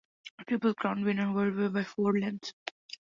Triple Crown winner Whirlaway by four lengths.